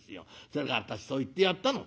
それで私そう言ってやったの。